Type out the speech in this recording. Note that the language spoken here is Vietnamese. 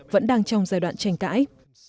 vẫn đang trong giai đoạn tranh cãi